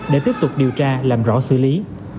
để tiếp tục điều tra làm rõ xử lý